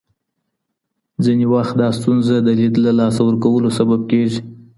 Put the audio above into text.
ځینې وخت دا ستونزه د لید له لاسه ورکولو سبب کېږي.